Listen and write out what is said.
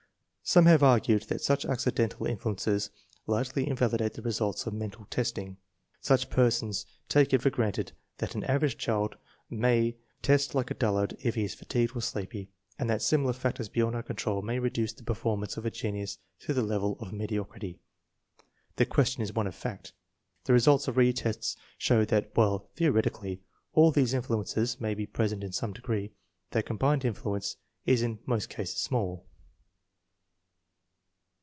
Some have argued that such accidental influences largely invalidate the results of mental testing. Such persons take it for granted that an average child may test like a dullard if he is fatigued or sleepy, and that similar factors beyond our control may reduce the performance of a genius to the level of mediocrity. The question is one of fact. The results of re tests show that, while theoretically all these influences may be present in some degree, their combined influence is in most cases small.